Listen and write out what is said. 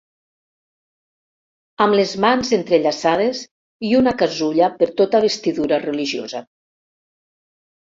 Amb les mans entrellaçades i una casulla per tota vestidura religiosa.